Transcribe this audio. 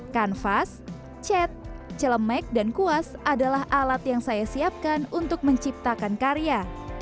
kanvas cat celemek dan kuas adalah alat yang saya siapkan untuk menciptakan karya